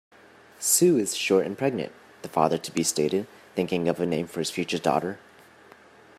"Sue is short and pregnant", the father-to-be stated, thinking of a name for his future daughter.